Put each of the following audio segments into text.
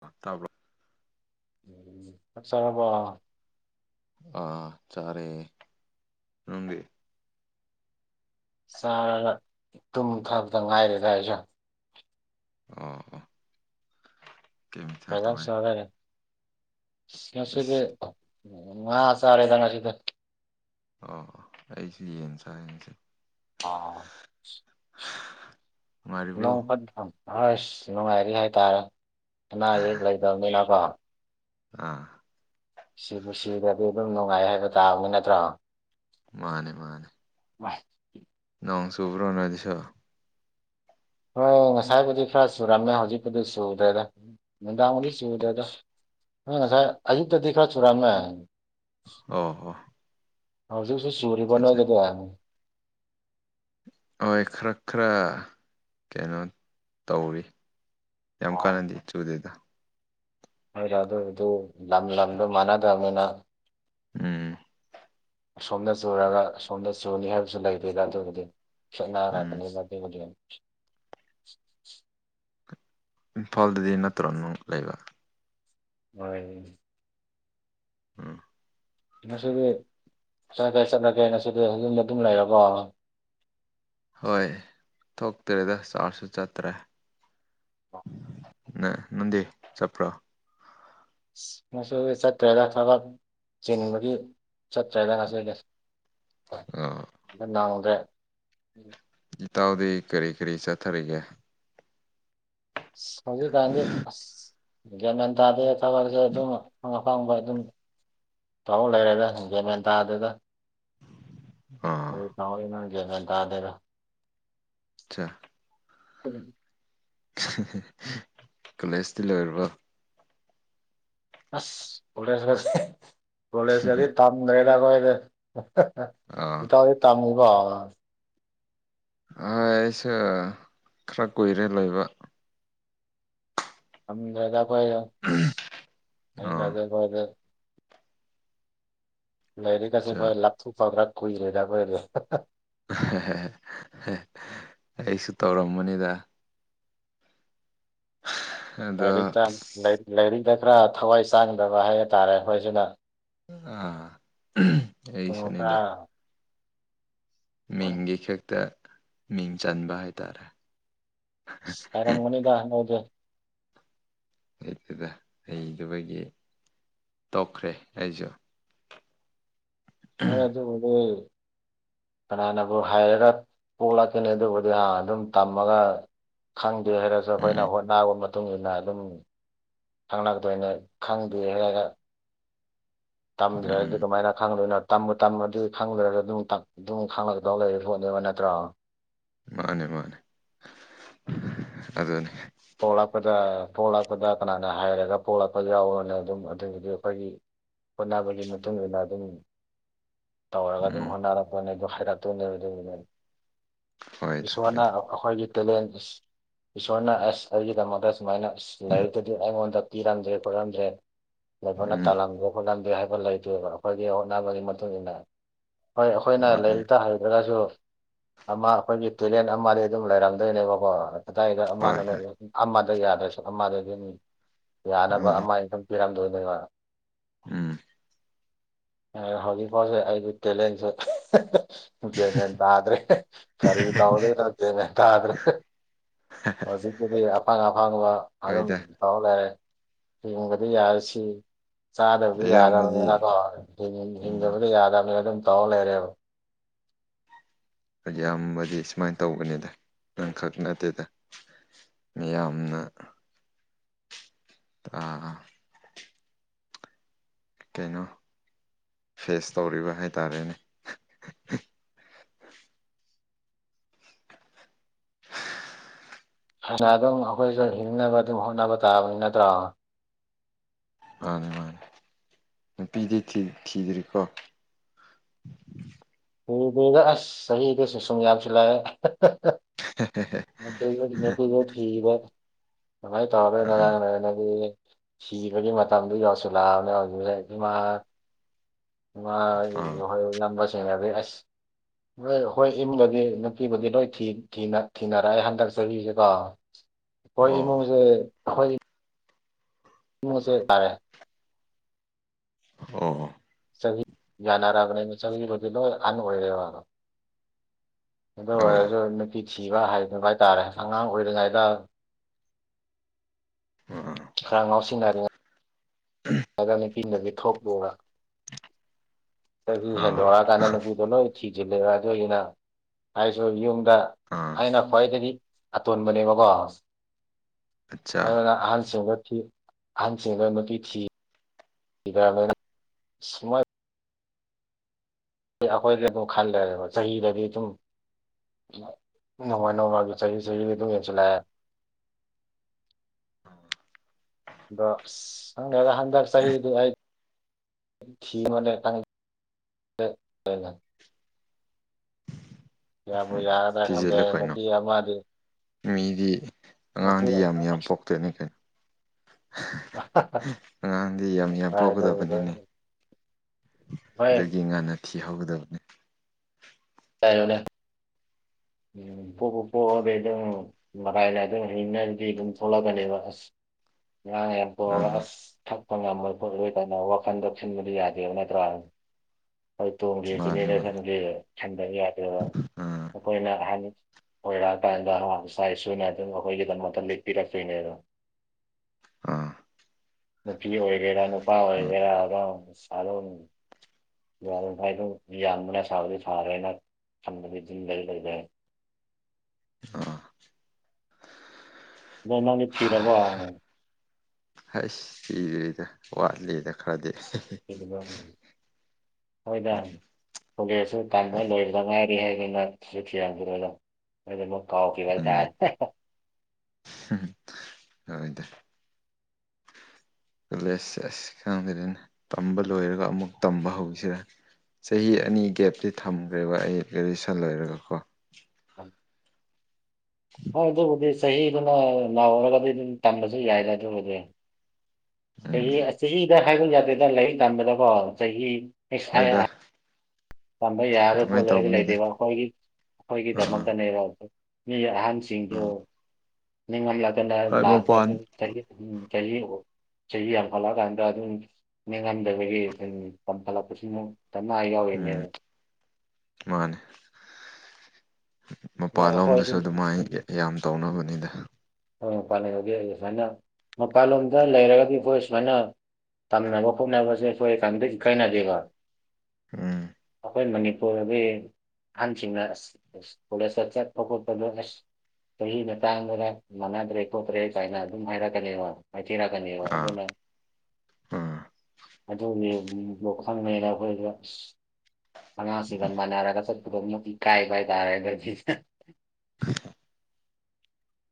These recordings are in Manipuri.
ꯑ ꯇꯥꯕ꯭ꯔꯣ ꯆꯥꯛ ꯆꯥꯔꯕꯣ ꯑꯥ ꯆꯥꯔꯦ ꯅꯪꯗꯤ ꯆꯥꯔꯒ ꯇꯨꯝꯊꯕꯗ ꯉꯥꯏꯔꯤꯗ ꯑꯩꯖꯨ ꯑꯣ ꯀꯩ ꯃꯊꯦꯜ ꯏꯟꯖꯥꯡ ꯇꯧꯔꯦ ꯆꯥꯅꯔꯦ ꯁꯤ ꯉꯁꯤꯗꯤ ꯑꯁ ꯉꯥ ꯆꯥꯔꯦꯗ ꯉꯁꯤꯗꯤ ꯑꯣ ꯑꯩꯖꯨ ꯌꯦꯟ ꯆꯥꯏ ꯉꯁꯤ ꯑꯥ ꯅꯨꯡꯉꯥꯏꯔꯤꯕ꯭ꯔꯣ ꯅꯣꯡ ꯐ ꯊꯝ ꯍꯁ ꯅꯨꯡꯉꯥꯏꯔꯤ ꯍꯥꯏꯇꯥꯔꯦ ꯑꯅꯥ ꯑꯌꯦꯛ ꯂꯩꯇꯕꯅꯤꯅꯀꯣ ꯑꯥ ꯁꯤꯕꯨ ꯁꯤꯗꯔꯗꯤ ꯑꯗꯨꯝ ꯅꯨꯡꯉꯥꯏ ꯍꯥꯏꯕ ꯇꯥꯕꯅꯤ ꯅꯠꯇ꯭ꯔꯣ ꯃꯥꯅꯦ ꯃꯥꯅꯦ ꯋꯥꯏ ꯅꯣꯡꯆꯨꯕ꯭ꯔꯣ ꯅꯣꯏꯗꯁꯨ ꯍꯣꯏ ꯉꯁꯥꯏꯕꯨꯗꯤ ꯈꯔ ꯆꯨꯔꯝꯃꯦ ꯍꯧꯖꯤꯛꯄꯨꯗꯤ ꯆꯨꯗꯦꯗ ꯅꯨꯡꯗꯥꯡꯕꯨꯗꯤ ꯆꯨꯗꯦꯗ ꯅꯣꯏ [unintelligible] ꯉꯁꯥꯏ ꯌꯨꯛꯇꯗꯤ ꯈꯔ ꯆꯨꯔꯝꯃꯦ ꯑꯣ ꯑꯣ ꯍꯧꯖꯤꯛꯁꯨ ꯆꯨꯔꯤꯕꯣ ꯆꯠꯆꯥ ꯅꯣꯏꯗꯗꯤ ꯍꯣꯏ ꯈꯔ ꯈꯔ ꯀꯩꯅꯣ ꯇꯧꯔꯤ ꯌꯥꯝ ꯀꯥꯟꯅꯗꯤ ꯆꯨꯗꯦꯗ ꯍꯣꯏꯗ ꯑꯗꯨꯕꯗꯨ ꯂꯝ ꯂꯝꯗꯣ ꯃꯥꯟꯅꯗꯕꯅ ꯎꯝ ꯑꯁꯣꯝꯗ ꯆꯨꯔꯒ ꯑꯁꯣꯝꯗ ꯆꯨꯅꯤ ꯍꯥꯏꯕꯁꯨ ꯂꯩꯇꯦꯗ ꯑꯗꯨꯕꯨꯗꯤ ꯎꯝ ꯈꯦꯠꯅꯔꯕꯅꯤꯗ ꯑꯗꯨꯕꯨꯗꯤ ꯏꯝꯐꯥꯜꯗꯗꯤ ꯅꯠꯇ꯭ꯔꯣ ꯅꯪ ꯂꯩꯕ ꯍꯣꯏ ꯎꯝ ꯉꯁꯤꯗꯤ ꯀꯥꯏ ꯀꯥꯏ ꯆꯠꯂꯒꯦ ꯉꯁꯤꯗꯤ ꯌꯨꯝꯗ ꯑꯗꯨꯝ ꯂꯩꯔꯕꯣ ꯍꯣꯏ ꯊꯣꯛꯇꯔꯦꯗ ꯆꯥꯔꯁꯨ ꯆꯠꯇ꯭ꯔꯦ ꯅ ꯅꯪꯗꯤ ꯆꯠꯄ꯭ꯔꯣ ꯉꯁꯤꯗꯤ ꯆꯠꯇ꯭ꯔꯦꯗ ꯊꯕꯛ ꯆꯤꯟꯕꯒꯤ ꯆꯠꯇ꯭ꯔꯦꯗ ꯉꯁꯤꯗꯤ ꯑꯣ ꯅꯡꯗ꯭ꯔꯦ ꯏꯇꯥꯎꯗꯤ ꯀꯔꯤ ꯀꯔꯤ ꯆꯠꯊꯔꯤꯒꯦ ꯍꯧꯖꯤꯛꯀꯥꯟꯗꯤ ꯑꯁ ꯒ꯭ꯌꯥꯟ ꯃꯦꯟ ꯇꯥꯗꯦꯗ ꯊꯕꯛꯁꯦ ꯑꯗꯨꯝ ꯑ ꯑꯐꯡꯕ ꯑꯗꯨꯝ ꯇꯧ ꯂꯩꯔꯦꯗ ꯒ꯭ꯌꯥꯟ ꯃꯦꯟ ꯇꯥꯗꯦꯗ ꯑꯣ ꯀꯔꯤ ꯇꯧꯔꯤꯅꯣ ꯒ꯭ꯌꯥꯟ ꯃꯦꯟ ꯇꯥꯗꯦꯗ ꯑꯆꯥ [unintelligible] ꯀꯣꯂꯦꯖꯇꯤ ꯂꯣꯏꯔꯕꯣ ꯑꯁ ꯀꯣꯂꯦꯁ ꯀꯗꯤ ꯀꯣꯂꯦꯁꯀꯗꯤ ꯇꯝꯗ꯭ꯔꯦꯗ ꯑꯈꯣꯏꯗꯤ ꯑꯥ ꯏꯇꯥꯎꯗꯤ ꯇꯝꯃꯤꯕꯣ ꯑ ꯑꯩꯁꯨ ꯈꯔ ꯀꯨꯏꯔꯦ ꯂꯩꯕ ꯇꯝꯗ꯭ꯔꯦꯗ ꯑꯩꯈꯣꯏꯗꯣ ꯑꯣ [unintelligible] ꯂꯥꯏꯔꯤꯛꯀꯁꯦ ꯆꯥ ꯑꯈꯣꯏ ꯂꯥꯞꯊꯨꯛꯐꯗ꯭ꯔꯥꯛ ꯀꯨꯏꯔꯦꯗ ꯑꯈꯣꯏꯗꯤ ꯑꯩꯁꯨ ꯇꯧꯔꯝꯕꯅꯤꯗ ꯑꯗꯣ ꯂꯥꯏꯔꯤꯛꯇ ꯑꯁ ꯂꯥꯏꯔꯤꯛ ꯂꯥꯏꯔꯤꯛꯗ ꯈꯔ ꯊꯋꯥꯏ ꯆꯡꯗꯕ ꯍꯥꯏꯕ ꯇꯥꯥꯔꯦ ꯑꯩꯈꯣꯏꯁꯤꯅ ꯑꯥ ꯀꯩꯅꯣ ꯑꯩꯁꯨꯅꯤꯗ ꯈꯔ ꯃꯤꯡꯒꯤ ꯈꯛꯇ ꯃꯤꯡ ꯆꯟꯕ ꯍꯥꯏꯇꯥꯔꯦ ꯌꯥꯔꯝꯒꯅꯤꯗ ꯅꯣꯏꯗꯤ ꯍꯩꯇꯦꯗ ꯍꯩꯗꯕꯒꯤ ꯇꯣꯛꯈ꯭ꯔꯦ ꯑꯩꯖꯨ ꯅꯣꯏ ꯑꯗꯨꯕꯨꯗꯤ ꯀꯅꯥꯅꯕꯨ ꯍꯩꯔꯒ ꯄꯣꯛꯂꯛꯀꯦꯅꯦ ꯑꯗꯨꯕꯨꯗꯤ ꯍꯥ ꯑꯗꯨꯝ ꯇꯝꯃꯒ ꯈꯪꯗꯦ ꯍꯥꯏꯔꯁꯨ ꯎꯝ ꯑꯈꯣꯏꯅ ꯍꯣꯠꯅꯕ ꯃꯇꯨꯡ ꯏꯟꯅ ꯑꯗꯨꯝ ꯈꯪꯂꯛꯇꯣꯏꯅꯦ ꯈꯪꯗꯦ ꯍꯥꯏꯔꯒ ꯎꯝ ꯇꯝꯗ꯭ꯔꯗꯤ ꯀꯃꯥꯏꯅ ꯈꯪꯗꯣꯏꯅꯣ ꯇꯝꯕꯨ ꯇꯝꯃꯗꯤ ꯈꯪꯗ꯭ꯔꯒ ꯑꯗꯨꯝ ꯇꯞ ꯑꯗꯨꯝ ꯈꯪꯂꯒꯗꯧ ꯂꯩꯔ ꯄꯣꯠꯅꯦꯕ ꯅꯠꯇ꯭ꯔꯣ ꯃꯥꯅꯦ ꯃꯥꯅꯦ ꯑꯗꯨꯅꯤ ꯄꯣꯛꯂꯛꯄꯗ ꯄꯣꯛꯂꯛꯄꯗ ꯀꯅꯥꯅ ꯍꯩꯔꯒ ꯄꯣꯛꯂꯛꯄ ꯌꯥꯎꯕ꯭ꯔꯅꯦ ꯑꯗꯨꯝ ꯑꯗꯨꯒꯤꯗꯤ ꯑꯩꯈꯣꯏꯒꯤ ꯍꯣꯠꯅꯕꯒꯤ ꯃꯇꯨꯡ ꯏꯟꯅ ꯑꯗꯨꯝ ꯇꯧꯔꯒ ꯑꯗꯨꯝ ꯎꯝ ꯍꯣꯠꯅꯔꯛꯄꯅꯦ ꯑꯗꯨ ꯍꯩꯔꯛꯇꯣꯏꯅꯦ ꯑꯗꯨꯕꯨꯗꯤ ꯍꯣꯏꯗ ꯏꯁꯣꯔꯅ ꯍꯣꯏꯗ ꯑꯈꯣꯏꯒꯤ ꯇꯦꯂꯦꯟꯁ ꯏꯁꯣꯔꯅ ꯑꯦꯁ ꯑꯩꯒꯤꯗꯃꯛꯇ ꯁꯨꯃꯥꯏꯅ ꯂꯥꯏꯔꯤꯛꯇꯗꯤ ꯑꯩꯉꯣꯟꯗ ꯇꯤꯔꯝꯗ꯭ꯔꯦ ꯈꯣꯠꯂꯝꯗ꯭ꯔꯦ ꯂꯥꯏꯕꯛꯅ ꯎꯝ ꯇꯜꯂꯝꯗ꯭ꯔꯦ ꯈꯣꯠꯂꯝꯗꯦ ꯍꯥꯏꯕ ꯂꯩꯇꯦꯕ ꯑꯩꯈꯣꯏꯒꯤ ꯍꯣꯠꯅꯕꯒꯤ ꯃꯇꯨꯡ ꯏꯟꯅ ꯍꯣꯏ ꯑꯩꯈꯣꯏꯅ ꯃꯥꯅꯦ ꯂꯥꯏꯔꯤꯛꯇ ꯍꯩꯇ꯭ꯔꯒꯁꯨ ꯑꯃ ꯑꯩꯈꯣꯏꯒꯤ ꯇꯦꯂꯦꯟ ꯑꯃꯗꯤ ꯑꯗꯨꯝ ꯂꯩꯔꯝꯗꯣꯏꯅꯦꯕꯀꯣ ꯀꯗꯥꯏꯗ ꯍꯣꯏ ꯑꯃꯅꯅꯣ ꯍꯣꯏ ꯑꯃꯗ ꯌꯥꯗ꯭ꯔꯁꯨ ꯑꯃꯗꯒꯤꯅꯤ ꯌꯥꯅꯕ ꯑꯥ ꯑꯃ ꯏꯟꯀꯝ ꯄꯤꯔꯝꯗꯣꯏꯅꯦꯕ ꯎꯝ ꯑ ꯍꯧꯖꯤꯛ ꯐꯥꯎꯁꯦ ꯑꯩꯒꯤ ꯇꯦꯂꯦꯟꯁꯦ ꯒ꯭ꯌꯥꯟꯅꯟ ꯇꯥꯗ꯭ꯔꯦ ꯀꯔꯤ ꯇꯧꯗꯣꯏꯅꯣ ꯒ꯭ꯌꯥꯟ ꯃꯦꯟ ꯇꯥꯗ꯭ꯔꯦ ꯍꯧꯖꯤꯛ ꯑꯗꯨꯒꯤ ꯑꯐꯡ ꯑꯐꯡꯕ ꯑꯗꯨꯝ ꯍꯣꯏꯗ ꯇꯧ ꯂꯩꯔꯦ ꯍꯤꯡꯕꯗꯤ ꯌꯥꯗ ꯁꯤ ꯆꯥꯗꯕꯗꯤ ꯏꯌꯥꯝꯕꯗꯤ ꯎꯝ ꯌꯥꯗꯕꯅꯤꯅꯀꯣ ꯍꯤꯡ ꯍꯤꯡꯗꯕꯗꯤ ꯌꯥꯗꯕꯅꯤꯅ ꯑꯗꯨꯝ ꯇꯧꯔ ꯂꯩꯔꯦꯕ ꯑꯌꯥꯝꯕꯗꯤ ꯁꯨꯃꯥꯏ ꯇꯧꯕꯅꯤꯗ ꯅꯪ ꯈꯛ ꯅꯠꯇꯦꯗ ꯃꯤꯌꯥꯝꯅ ꯇꯥ ꯀꯩꯅꯣ ꯐꯦꯁ ꯇꯧꯔꯤꯕ ꯍꯥꯏꯇꯥꯔꯦꯅꯦ ꯍꯅ ꯑꯗꯨꯝ ꯑꯩꯈꯣꯏꯁꯨ ꯍꯤꯡꯅꯕ ꯑꯗꯨꯝ ꯍꯣꯠꯅꯕ ꯇꯥꯕꯅꯤ ꯅꯠꯇ꯭ꯔꯣ ꯃꯥꯅꯦ ꯃꯥꯅꯦ ꯅꯨꯄꯤꯗꯤ ꯊꯤꯗ꯭ꯔꯤꯀꯣ ꯗ ꯑꯁ ꯆꯍꯤꯗꯁꯨꯦ ꯁꯨꯡ ꯌꯥꯝꯁꯨ ꯂꯥꯛꯑꯦ ꯃ ꯀ ꯃ ꯊꯤꯒꯤꯕ ꯁꯉꯥꯏ ꯇ ꯑꯥ ꯍꯔ ꯅꯪꯗꯤ ꯁꯤꯕꯒꯤ ꯃꯇꯝꯗꯨ ꯌꯧꯁꯤꯜꯂꯛꯑꯕꯅꯦ ꯍꯧꯖꯛ ꯏꯃꯥ ꯃꯥ ꯑꯥ ꯍꯣꯏ ꯌꯥꯝꯕꯁꯤꯡꯅꯗꯤ ꯑꯁ ꯅꯣꯏ ꯑꯩꯈꯣꯏ ꯌꯨꯝꯗꯗꯤ ꯅꯨꯄꯤꯕꯨꯗꯤ ꯂꯣꯏ ꯊꯤ ꯊꯤꯅ ꯊꯤꯅꯔꯛꯑꯦ ꯍꯟꯗꯛ ꯆꯍꯤꯁꯦꯀꯣ ꯀꯣꯏ ꯑꯣ ꯏꯃꯨꯡꯁꯦ ꯀꯣꯏ ꯃꯣꯁꯦ ꯇꯥꯔꯦ ꯑꯣ ꯌꯅꯔꯕꯅꯦꯅ ꯆꯪꯒꯤꯕꯁꯦ ꯂꯣꯏ ꯑꯍꯟ ꯑꯣꯏꯔꯦꯕ ꯑꯗꯨ ꯑꯣ ꯑꯣꯏꯔꯁꯨ ꯅꯨꯄꯤ ꯁꯤꯕ ꯍꯥꯏꯗꯕ ꯍꯥꯏꯇꯥꯔꯦ ꯑꯉꯥꯡ ꯑꯣꯏꯔꯤꯉꯩꯗ ꯑꯥ ꯈꯔꯉꯥꯎꯁꯤꯟꯅꯔꯦ ꯎꯝ [unintelligible] ꯑꯗꯨ ꯑꯥ ꯂꯣꯏ ꯊꯤꯖꯤꯜꯂꯦꯕ ꯑꯗꯨ ꯅꯩ ꯑꯩꯁꯨ ꯌꯨꯝꯗ ꯑꯥ ꯑꯩꯅ ꯈ꯭ꯋꯥꯏꯗꯒꯤ ꯑꯇꯣꯟꯕꯅꯦꯕꯀꯣ ꯑꯠꯆꯥ ꯑꯗꯨꯅ ꯑꯍꯟꯁꯤꯡꯗ ꯊꯤ ꯑꯍꯟꯁꯤꯡꯗ ꯅꯨꯄꯤ ꯊꯤ ꯏꯗꯥꯅꯕꯅꯦ ꯊꯤ ꯃꯣꯏ ꯑꯩꯈꯣꯏꯒꯤ ꯑꯗꯨꯝ ꯈꯜꯂꯔꯦꯕ ꯆꯍꯤꯗꯗꯤ ꯑꯗꯨꯝ ꯅꯣꯡꯃꯥ ꯅꯣꯡꯃꯥꯒꯤ ꯆꯍꯤ ꯆꯍꯤꯗꯤ ꯑꯗꯨꯝ ꯌꯦꯡꯁꯤꯜꯂꯛꯑꯦ ꯎꯝ ꯑ ꯑꯁ ꯈꯪꯗꯦꯗ ꯍꯟꯗꯛ ꯆꯍꯤꯗꯨ ꯑꯩ ꯊꯤ ꯌꯣꯅꯦ ꯅꯪ ꯃ ꯌꯥꯕꯨ ꯎꯝ ꯌꯥꯔꯗ ꯈꯪꯗꯦ ꯊꯤꯖꯤꯜꯂꯨ ꯀꯩꯅꯣ ꯅꯨꯄꯤ ꯑꯃꯗꯤ ꯃꯤꯗꯤ ꯅꯨꯄꯤ ꯑꯉꯥꯡꯗꯤ ꯌꯥꯝ ꯌꯥꯝ ꯄꯣꯛꯇꯅꯤ ꯀꯩꯅꯣ ꯑꯉꯥꯡꯗꯤ ꯌꯥꯝ ꯌꯥꯝ ꯄꯣꯛꯀꯗꯕꯅꯤꯅꯦ ꯍꯣꯏ ꯑꯗꯨꯗꯒꯤ ꯉꯟꯅ ꯊꯤꯍꯧꯒꯗꯕꯅꯤ ꯌꯣꯅꯦ ꯎꯝ ꯄꯣꯛꯄ ꯄꯣꯛꯑꯗꯤ ꯑꯗꯨꯝ ꯃꯔꯥꯏꯅ ꯑꯗꯨꯝ ꯍꯤꯡꯅꯗꯤ ꯑꯗꯨꯝ ꯊꯣꯛꯂꯛꯀꯅꯦꯕ ꯑꯁ ꯉꯥꯡ ꯌꯥꯝ ꯄꯣꯛꯑꯒ ꯑꯥ ꯑꯁ ꯊꯥꯛꯄ ꯉꯝꯃꯣꯏ ꯄꯣꯠ ꯂꯣꯏ ꯀꯅ ꯋꯥꯈꯟꯗꯣꯛꯁꯤꯟꯕꯗꯤ ꯌꯥꯗꯦꯕ ꯅꯠꯇ꯭ꯔꯣ ꯍꯣꯏ ꯇꯣꯛꯒꯦꯁꯨ ꯃꯥꯅꯤ ꯃꯥꯅꯤ ꯖꯦꯅꯦꯔꯦꯁꯟꯒꯤ ꯈꯟꯗꯕ ꯌꯥꯗꯦꯕ ꯑꯥ ꯑꯩꯈꯣꯏꯁꯨ ꯑꯍꯜꯅꯤ ꯑꯣꯏꯔꯛꯑ ꯀꯥꯟꯗ ꯏꯆꯥ ꯏꯁꯨꯨꯅ ꯑꯗꯨꯝ ꯑꯩꯈꯣꯏꯒꯤꯗ ꯃꯛꯇ ꯂꯦꯞꯄꯤꯔꯛꯇꯣꯏꯅꯦꯕ ꯑꯥ ꯅꯨꯄꯤ ꯑꯣꯏꯒꯦꯔ ꯅꯨꯄꯥ ꯑꯥ ꯑꯣꯏꯒꯦꯔ ꯑꯃ ꯍꯜꯂꯣ ꯌꯥꯔꯤ ꯃꯈ ꯃꯈꯥꯏꯗꯝ ꯌꯥꯝꯟꯕꯅ ꯁꯥꯕꯗꯤ ꯁꯥꯔꯦꯅ ꯈꯟꯕꯗꯤ ꯑꯗꯨꯟ ꯂꯩ ꯂꯩꯗ ꯑꯥ ꯋꯥ ꯉ ꯥꯡꯕ ꯊꯤꯔꯕꯣ ꯍꯁ ꯊꯤꯗ꯭ꯔꯤꯗ ꯋꯥꯠꯂꯤꯗ ꯈꯔꯗꯤ ꯊꯤꯒꯤꯅꯨ ꯍꯣꯏꯗ ꯀꯣꯂꯦꯁꯨ ꯇꯝꯕ ꯂꯣꯏꯕꯗ ꯉꯥꯏꯔꯤ ꯍꯥꯏꯗꯅ ꯅꯨꯄꯤ ꯊꯤꯔꯝꯒꯤꯔꯣꯏꯗ ꯑꯩꯈꯣꯏꯗꯤ ꯑꯃꯨꯛ ꯀꯥꯎꯈꯤꯕ ꯎꯝ ꯍꯥꯏꯇꯔꯦ ꯍꯣꯏꯗ ꯀꯣꯂꯦꯖꯦꯁ ꯈꯗꯅ ꯇꯝꯕ ꯂꯣꯏꯔꯒ ꯑꯃꯨꯛ ꯇꯝꯕ ꯍꯧꯁꯤꯔꯦ ꯆꯍꯤ ꯑꯅꯤ ꯒꯦꯞꯇꯤ ꯊꯝꯈ꯭ꯔꯦꯕ ꯑꯩ ꯒ꯭ꯔꯦꯖꯨꯌꯦꯁꯟ ꯂꯣꯏꯔꯒ ꯀꯣ ꯎꯝ ꯍꯣꯏ ꯑꯗꯨꯕꯨꯗꯤ ꯆꯍꯤꯗꯨꯅ ꯅꯧꯔꯒꯗꯤ ꯑꯗꯨꯝ ꯇꯝꯕꯁꯨ ꯌꯥꯏꯗ ꯑꯗꯨꯕꯨꯗꯤ ꯆꯍꯤ ꯎꯝ ꯆꯍꯤꯗ ꯍꯥꯏꯕ ꯌꯥꯗꯦꯗ ꯂꯥꯏꯔꯤꯛ ꯇꯝꯕꯗꯀꯣ ꯆꯍꯤ ꯍꯣꯏꯗ [unintelligible] ꯇꯝꯕ ꯌꯥꯔꯗ ꯑꯗꯨꯃꯥꯏꯅ ꯄꯣꯠꯂꯔꯒ ꯇꯧꯕꯅꯤꯗ ꯂꯩꯔꯤꯕ ꯑꯩꯈꯣꯏꯒꯤ ꯑꯥ ꯑꯩꯈꯣꯏꯒꯤꯗꯃꯛꯇꯅꯦꯕ ꯃꯤ ꯑꯍꯟ ꯑꯥ [unintelligible] ꯅꯤꯡꯉꯝꯂꯗꯅ ꯍꯣꯏ ꯃꯄꯥꯟ ꯂꯥꯛꯄꯒꯤ ꯆꯍꯤ ꯆꯍꯤ ꯍꯨꯝ ꯆꯍꯤ ꯌꯥꯝꯈꯠꯂꯛꯑꯀꯥꯟꯗ ꯑꯗꯨꯝ ꯂꯦꯡꯍꯟꯗꯕꯤꯒꯤ ꯑꯗꯨꯝ ꯄꯥꯟꯈꯠꯂꯛꯄꯁꯤ ꯃꯨꯛ ꯗꯃꯥ ꯎꯝ ꯌꯥꯎꯔꯤꯅꯦꯕ ꯃꯥꯅꯦ ꯑꯗꯣ ꯃꯄꯥꯟꯂꯣꯝꯗꯁꯨ ꯑꯩꯈꯣꯏꯁꯨ ꯑꯗꯨꯃꯥꯏꯅ ꯌꯥꯝ ꯎꯝ ꯇꯧꯅꯕꯅꯤꯗ ꯍꯣꯏ ꯃꯄꯥꯟ ꯂꯩꯒ ꯁꯨꯃꯥꯏꯅ ꯃꯄꯥꯟꯂꯣꯝꯗ ꯂꯩꯔꯒꯗꯤ ꯑꯩꯈꯣꯏ ꯁꯨꯃꯥꯏꯅ ꯇꯝꯅꯕ ꯈꯣꯠꯅꯕꯁꯦ ꯑꯩꯈꯣꯏ ꯀꯩꯝꯇ ꯏꯀꯥꯏꯅꯗꯦꯕ ꯎꯝ ꯑꯩꯈꯣꯏ ꯃꯅꯤꯄꯨꯔꯒꯤ ꯑꯍꯟꯁꯤꯡꯅ ꯐꯂ ꯁꯁ ꯀ ꯆꯍꯤ ꯃꯇ ꯇꯥꯡꯗꯨꯅ ꯃꯥꯟꯅꯗ꯭ꯔꯦ ꯈꯣꯠꯇ꯭ꯔꯦ ꯀꯥꯏꯅ ꯑꯗꯨꯝ ꯍꯥꯏꯔꯛꯀꯅꯦꯕ ꯃꯥꯏꯊꯤꯔꯛꯀꯅꯤꯕ ꯑꯥ ꯑꯗꯨꯅ ꯑꯥ ꯑꯗꯨꯅꯦ ꯂꯣꯛꯈꯪꯅꯦꯅ ꯑꯩꯈꯣꯏꯗ ꯍꯪ ꯁꯤꯒꯟꯅꯔ ꯀꯁ ꯇ ꯀꯥꯏ ꯀꯥꯏ ꯇꯥꯔꯦꯒꯔꯗꯤ ꯎ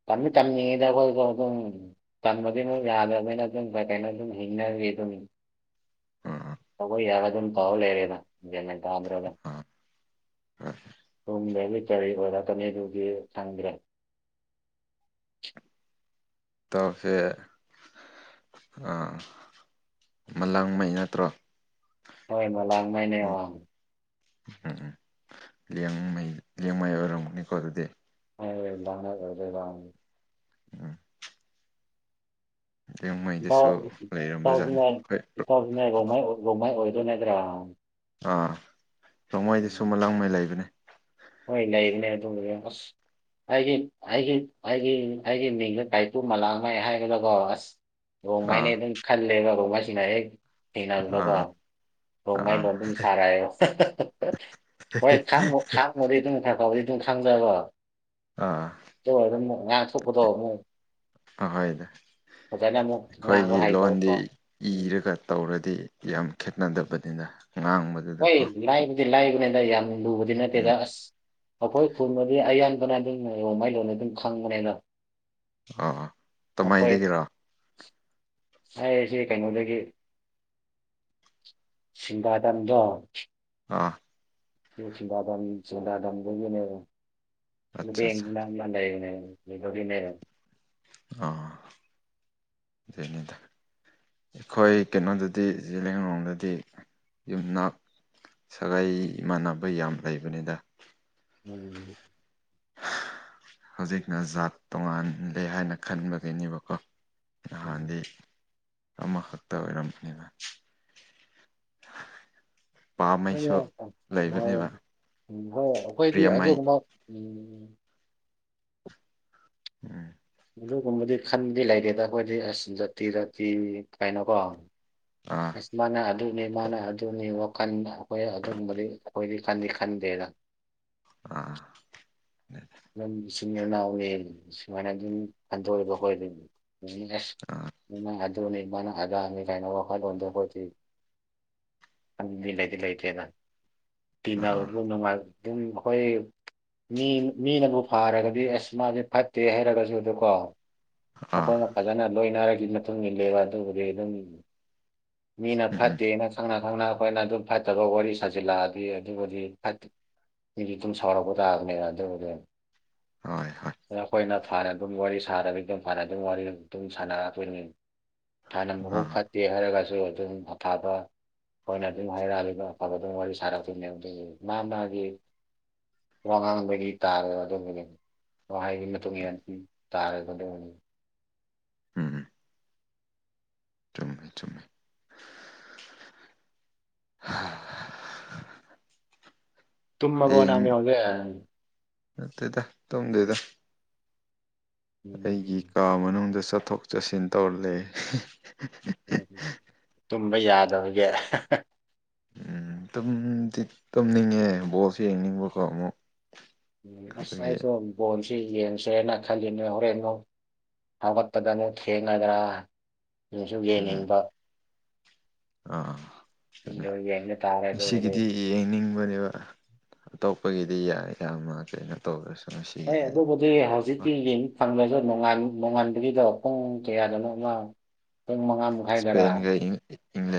ꯇꯝꯗꯤ ꯇꯝꯅꯤꯡꯉꯤꯗ ꯑꯩꯈꯣꯏꯁꯨ ꯑꯗꯨꯝ ꯇꯟꯕꯗꯤ ꯑꯃꯨꯛ ꯌꯥꯗ꯭ꯔꯕꯅꯤꯅ ꯑꯗꯨꯝ ꯀꯩ ꯀꯩꯅꯣ ꯑꯗꯨꯝ ꯍꯤꯡꯅꯔꯤ ꯑꯗꯨꯝ ꯑꯥ ꯇꯧꯕ ꯌꯥꯕ ꯑꯗꯨꯝ ꯇꯧꯕ ꯂꯩꯔꯦꯗ ꯒꯌꯥꯟ ꯃꯦꯟ ꯇꯥꯗꯔꯕꯅꯦ ꯑꯥ ꯍꯣꯏ [unintelligible] ꯀꯔꯤ ꯑꯣꯏꯔꯛꯀꯅꯤꯗꯨꯗꯤ ꯈꯪꯗ꯭ꯔꯦ ꯇꯧꯁꯦ ꯑ ꯃꯂꯥꯡꯉꯩ ꯅꯠꯇ꯭ꯔꯣ ꯍꯣꯏ ꯏꯃ ꯂꯥꯡ ꯃꯅꯦ ꯎꯝ ꯎꯝ ꯎꯝ ꯂꯤꯌꯥꯡꯃꯩ ꯂꯤꯌꯥꯡꯉꯩ ꯑꯣꯏꯔꯝꯃꯅꯤꯀꯣ ꯑꯗꯨꯗꯤ ꯑꯗꯥꯅꯦ ꯑꯣꯏꯗ ꯎꯝ ꯂꯤꯌꯥꯡꯃꯩꯗꯁꯨ ꯂꯩꯔꯝꯕꯖꯥꯠꯅꯤ ꯍꯣꯏ ꯔꯣꯡꯃꯩ ꯑꯣꯏꯗꯨꯨ ꯅꯇ꯭ꯔ ꯑꯥ ꯅꯣꯡꯃꯩꯗꯤ ꯁꯨꯝꯃ ꯂꯥꯡꯃꯩ ꯂꯩꯕꯅꯦ ꯍꯣꯏ ꯂꯩꯕꯅꯦ ꯑꯗꯨ ꯑꯁ ꯑꯩꯒꯤ ꯑꯩꯒꯤ ꯑꯩꯒꯤ ꯑꯩꯒꯤ ꯃꯤꯡꯗ ꯇꯥꯏꯄꯨ ꯃꯂꯥꯡꯉꯥꯏ ꯍꯥꯏꯒꯀꯣ ꯑꯁ ꯔꯣꯡꯃꯥꯏꯅ ꯑꯥ ꯑꯗꯨꯝ ꯈꯜꯂꯦꯕ ꯔꯣꯡꯃꯥꯏꯁꯤꯡꯅ ꯍꯦꯛ ꯊꯦꯡꯅꯕꯀꯣ ꯑꯥ [unintelligible] ꯑꯥ ꯃꯣꯔꯦꯗ ꯉꯁꯥꯏ ꯐꯥꯎꯕꯗꯤ ꯑꯗꯨꯝ [unintelligible] ꯑꯥ ꯑꯗꯨ ꯑꯣꯏꯔꯒꯅ ꯑꯃꯨꯛ ꯉꯥꯡꯊꯣꯛꯄꯗꯣ ꯑꯃꯨꯛ ꯑꯍꯣꯏꯗ ꯐꯖꯅ ꯑꯃꯨꯛ ꯉꯥꯡꯕ ꯑꯩꯈꯣꯏꯒꯤ ꯂꯣꯟꯗꯤ ꯍꯩꯇꯕꯀꯣ ꯎꯝ ꯏꯔꯒ ꯇꯧꯔꯗꯤ ꯌꯥꯝ ꯈꯦꯠꯅꯗꯕꯅꯤꯅ ꯉꯥꯡꯕꯗ ꯇꯞ ꯍꯣꯏ ꯂꯥꯏꯕꯨꯗꯤ ꯂꯥꯏꯕꯅꯤꯗ ꯌꯥꯝꯅ ꯂꯨꯕꯗꯤ ꯅꯠꯇꯦꯗ ꯎꯝ ꯑꯁ ꯑꯩꯈꯣꯏ ꯈꯨꯨꯟꯗꯗꯤ ꯑꯌꯥꯝ ꯑꯣ ꯃꯥꯏ ꯂꯣꯅ ꯑꯗꯨꯝ ꯈꯪꯕꯅ ꯑꯥꯥ ꯑ ꯇꯃꯩꯗꯒꯤꯔꯣ [unintelligible] ꯑꯩ ꯑꯁꯤ ꯀꯩꯅꯣꯗꯒꯤ ꯁꯤꯡꯒꯥꯗꯝꯗꯣ ꯑꯥ ꯌꯨꯝ ꯁꯤꯡꯒꯥꯗꯥꯝ ꯁꯤꯡꯒꯗꯥꯝꯗꯒꯤꯅꯦꯕ ꯑꯠꯆꯥ ꯑꯠꯆꯥ ꯕꯦꯡ [unintelligible] ꯎꯅꯦꯔ ꯑꯥ ꯖꯦꯅꯤꯗ ꯑꯩꯈꯣꯏ ꯀꯩꯅꯣꯗꯗꯤ ꯖꯤꯂꯤꯌꯥꯡꯔꯣꯡꯗꯗꯤ ꯌꯨꯝꯅꯥꯛ ꯁꯒꯥꯏ ꯏꯃꯥꯟꯅꯕ ꯌꯥꯝ ꯂꯩꯕꯅꯤꯗ ꯎꯝ [unintelligible] ꯍꯧꯖꯤꯛꯅ ꯖꯥꯠ ꯇꯣꯉꯜꯂꯦ ꯍꯥꯏꯅ ꯈꯟꯕꯒꯤꯅꯦꯕꯀꯣ ꯎꯝ ꯅꯍꯥꯟꯗꯤ ꯑꯃꯈꯛꯇ ꯑꯣꯏꯔꯝꯕꯅꯤꯅ ꯍꯣꯏ ꯌꯥꯏ ꯍꯣꯏ ꯎꯝ ꯍꯣꯏ ꯑꯩꯈꯣꯏꯗꯤ ꯄ꯭ꯔꯤꯌꯥꯃꯩ ꯑꯗꯨꯒꯨꯝꯕ ꯎꯝ ꯎꯝ ꯑꯗꯨꯒꯨꯝꯕꯗꯤ ꯈꯟꯕꯗꯤ ꯂꯩꯇꯦꯗ ꯑꯩꯈꯣꯏꯗꯤ ꯑꯁ ꯖꯇꯤ ꯖꯇꯤ ꯀꯥꯏꯅꯀꯣ꯫ ꯑꯥ꯫ ꯃꯥꯅ ꯑꯗꯨꯅꯤ ꯃꯥꯅ ꯑꯗꯨꯅꯤ ꯋꯥꯈꯟ ꯑꯩꯈꯣꯏ ꯑꯗꯨꯒꯨꯝꯕꯗꯤ ꯑꯩꯈꯣꯏꯗꯤ ꯈꯟꯗꯤ ꯈꯟꯗꯦꯗ꯫ ꯑ ꯑꯗꯨꯝ ꯏꯆꯤꯟ ꯏꯅꯥꯎꯅꯤ ꯁꯨꯃꯥꯏꯅ ꯑꯗꯨꯝ ꯈꯟꯗꯣꯛꯑꯦꯕ ꯑꯩꯈꯣꯏꯗꯤ꯫ ꯑꯥ [unintelligible] ꯅꯪꯅ ꯑꯗꯨꯅꯦ ꯃꯥꯅ ꯑꯗꯥꯅꯤꯒꯥꯅ ꯋꯥꯈꯜꯂꯣꯟꯗꯣ ꯑꯈꯣꯏꯗꯤ ꯑꯗꯨꯗꯤ ꯂꯩꯗꯤ ꯂꯩꯇꯦꯗ꯫ ꯑꯥ ꯇꯤꯟꯅꯕꯕꯨ ꯅꯨꯡꯉꯥꯏ ꯑꯗꯨꯝ ꯑꯩꯈꯣꯏ ꯃꯤ ꯃꯤꯅꯕꯨ ꯐꯥꯔꯒꯗꯤ ꯑꯁ ꯃꯥꯖꯦ ꯐꯠꯇꯦ ꯍꯥꯏꯔꯒꯖꯨ ꯑꯗꯨꯀꯣ ꯑꯥ ꯑꯈꯣꯏꯅ ꯐꯖꯅ ꯂꯣꯏꯅꯔꯒꯤ ꯃꯇꯨꯡ ꯏꯜꯂꯦꯕ ꯑꯗꯨꯕꯨꯗꯤ ꯑꯗꯨꯝ ꯃꯤꯅ ꯎꯝ ꯎꯝ ꯐꯠꯇꯦꯅ ꯈꯪꯅ ꯅꯪꯅ ꯑꯩꯈꯣꯏꯅ ꯑꯗꯨꯝ ꯐꯠꯇꯕ ꯋꯥꯔꯤ ꯁꯥꯖꯤꯜꯂꯛꯑꯗꯤ ꯑꯗꯨꯕꯨꯗꯤ ꯐꯠ ꯃꯤꯗꯤ ꯑꯗꯨꯝ ꯁꯥꯎꯔꯛꯄ ꯇꯥꯕꯅꯦꯅ ꯑꯗꯨꯕꯨꯗꯤ ꯑꯗꯣ ꯍꯣꯏ ꯍꯣꯏ ꯑꯩꯈꯣꯏꯅ ꯐꯥꯟꯅ ꯑꯗꯨꯝ ꯋꯥꯔꯤ ꯁꯥꯥꯗꯕꯤꯗ ꯐꯅ ꯑꯗꯨꯝ ꯋꯥꯔꯤ ꯑꯗꯨꯝ ꯁꯥꯟꯅꯔꯛꯇꯣꯏꯅꯤ ꯍꯥꯟꯅ ꯃꯕꯨꯛ ꯑꯥ ꯐꯠ ꯇꯦ ꯍꯥꯏꯔꯒꯁꯨ ꯑꯗꯨꯝ ꯑꯐꯥꯕ꯫ ꯑꯩꯈꯣꯏꯅ ꯑꯗꯨꯝ ꯍꯥꯏꯔꯛꯑꯒ ꯑꯐꯕꯗꯨꯝ ꯋꯥꯔꯤ ꯁꯥꯔꯛꯇꯣꯏꯅꯦ ꯑꯗꯨꯒꯤ ꯃꯥ ꯃꯥꯒꯤ ꯋꯥꯉꯥꯡꯕꯒꯤ꯫ ꯇꯥꯔꯦ ꯑꯗꯨꯒꯤꯅꯤ ꯋꯥꯍꯩꯒꯤ ꯃꯇꯨꯡ ꯏꯟꯅ ꯇꯥꯔꯦ ꯑꯗꯨꯒꯤꯅꯤ꯫ ꯎꯝ꯫ ꯆꯨꯝꯃꯦ ꯆꯨꯝꯃꯦ꯫ ꯇꯨꯨꯝꯃꯕꯣ ꯍꯌꯦꯡ ꯅꯪꯗꯤ ꯍꯧꯖꯤꯛ꯫ ꯅꯠꯇꯦꯗ ꯇꯨꯝꯗꯦꯗ꯫ ꯑꯩꯒꯤ ꯀꯥ ꯃꯅꯨꯡꯗ ꯆꯠꯊꯣꯛ ꯆꯠꯁꯤꯟ ꯇꯧꯔ ꯂꯩ꯫ [unintelligible] ꯇꯨꯝꯕ ꯌꯥꯗꯕꯒꯤ꯫ ꯎꯝ ꯇꯨꯝꯗꯤ ꯇꯨꯝꯅꯤꯡꯉꯦ ꯕꯣꯜꯁꯤ ꯌꯦꯡꯅꯤꯡꯕꯀꯣ ꯑꯃꯨꯛ꯫ ꯎꯝ ꯑꯁ ꯑꯗꯨꯒꯤ ꯑꯩꯁꯨ꯫ ꯕꯣꯟꯁꯦ ꯌꯦꯡꯁꯦꯅ ꯈꯜꯂꯤꯅꯦ ꯍꯣꯔꯦꯟ ꯃꯨꯛ ꯍꯧꯒꯠꯄꯗ ꯑꯃꯨꯛ ꯊꯦꯡꯒꯗ꯭ꯔꯥ ꯌꯦꯡꯖꯨ ꯎꯝ ꯌꯦꯡꯅꯤꯡꯕ꯫ ꯑꯥ ꯑꯗꯨꯅꯦ ꯑꯗꯣ ꯌꯦꯡꯕ ꯇꯥꯔꯦ ꯑꯗꯨꯒꯤꯗꯤ ꯉꯁꯤꯒꯤꯗꯤ ꯌꯦꯡꯅꯤꯡꯕꯅꯦꯕ ꯑꯇꯣꯞꯄꯒꯤꯗꯤ ꯌꯥꯏ ꯌꯥꯝꯃ ꯀꯩꯅꯣ ꯇꯧꯗꯔꯁꯨ ꯉꯁꯤꯒꯤꯗꯤ ꯑꯗꯨꯏ ꯍꯧꯖꯤꯛꯇꯀꯤ ꯌꯦꯡ ꯐꯪꯗꯔꯖꯨ ꯅꯣꯡꯉꯥꯟ ꯅꯣꯡꯉꯥꯟꯕꯒꯤꯗꯣ ꯄꯨꯡ ꯀꯌꯥꯗꯅꯣ ꯑꯃ ꯄꯨꯡ ꯃꯉꯥ ꯃꯈꯥꯏꯗꯔꯥ ꯏꯁꯄꯦꯟꯒ ꯏꯪ ꯏꯪꯂꯟ